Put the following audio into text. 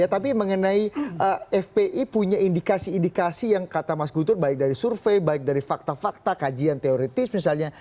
tapi mengenai fpi punya indikasi indikasi yang kata mas guntur baik dari survei baik dari fakta fakta kajian teoritis misalnya